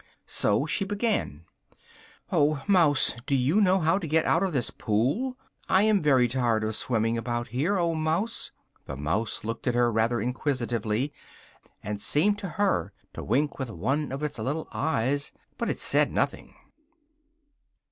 So she began: "oh Mouse, do you know how to get out of this pool? I am very tired of swimming about here, oh Mouse!" The mouse looked at her rather inquisitively, and seemed to her to wink with one of its little eyes, but it said nothing.